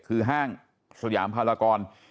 คือห้างสยามภารกร